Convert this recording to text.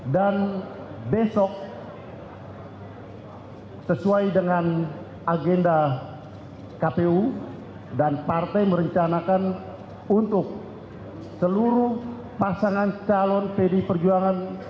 dan besok sesuai dengan agenda kpu dan partai merencanakan untuk seluruh pasangan calon pdi perjuangan